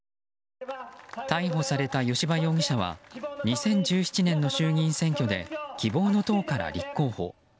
逮捕された吉羽市議は２０１７年の衆議院選挙で希望の党から立候補。